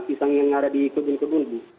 pisang yang ada di kebun kebun bu